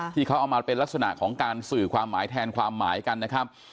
ที่เขาเอามาเป็นลักษณะของการสื่อความหมายแทนความหมายกันนะครับ